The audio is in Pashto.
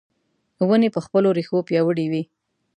ونې په خپلو رېښو پیاوړې وي .